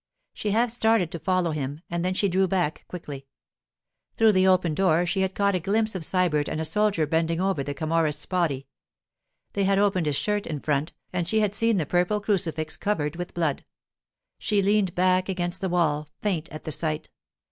She half started to follow him, and then she drew back quickly. Through the open door she had caught a glimpse of Sybert and a soldier bending over the Camorrist's body. They had opened his shirt in front, and she had seen the purple crucifix covered with blood. She leaned back against the wall, faint at the sight.